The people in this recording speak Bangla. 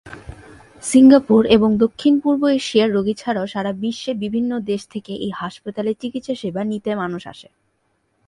সিঙ্গাপুর এবং দক্ষিণ-পূর্ব এশিয়ার রোগী ছাড়াও সারা বিশ্বে বিভিন্ন দেশ থেকে এই হাসপাতালে চিকিৎসাসেবা নিতে মানুষ আসে।